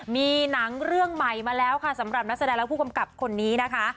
มีหนังเรื่องใหม่มาแล้วค่ะสำหรับนักแสดงและผู้กำกับคนนี้นะคะ